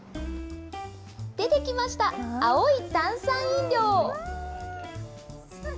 出てきました、青い炭酸飲料。